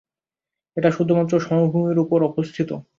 এটা শুধুমাত্র সমভূমির উপর অবস্থিত।